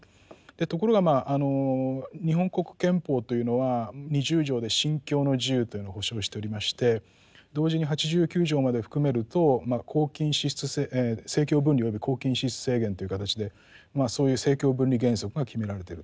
ところが日本国憲法というのは二十条で信教の自由というのを保障しておりまして同時に八十九条まで含めると政教分離および公金支出制限という形でそういう政教分離原則が決められてると。